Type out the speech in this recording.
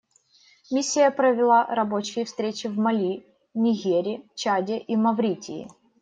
Миссия провела рабочие встречи в Мали, Нигере, Чаде и Мавритании.